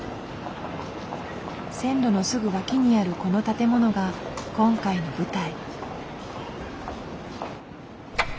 線路のすぐ脇にあるこの建物が今回の舞台。